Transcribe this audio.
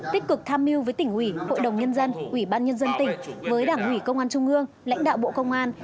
tích cực tham mưu với tỉnh ủy hội đồng nhân dân ủy ban nhân dân tỉnh với đảng ủy công an trung ương lãnh đạo bộ công an